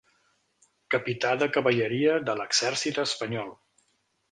Capità de Cavalleria de l'Exèrcit espanyol.